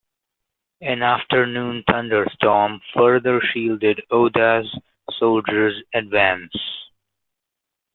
An afternoon thunderstorm further shielded Oda's soldiers' advance.